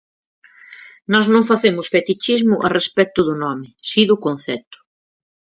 Nós non facemos fetichismo a respecto do nome, si do concepto.